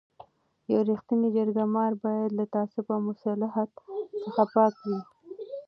یو رښتینی جرګه مار باید له تعصب او مصلحت څخه پاک وي.